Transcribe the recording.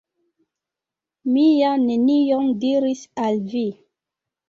Mi ja nenion diris al vi!